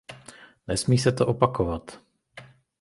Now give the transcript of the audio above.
Nesmí se to opakovat.